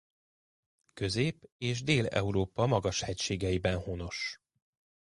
Közép- és Dél-Európa magashegységeiben honos.